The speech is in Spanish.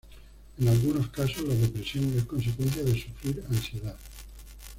En algunos casos la depresión es consecuencia de sufrir ansiedad.